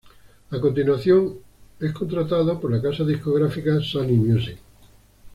A continuación es contratado por la casa discográfica Sony Music.